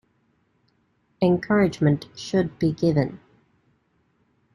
Encouragement should be given.